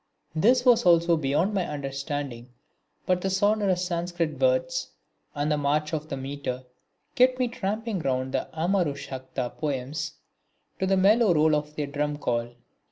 This was also beyond my understanding but the sonorous Sanskrit words, and the march of the metre, kept me tramping among the Amaru Shataka poems to the mellow roll of their drum call.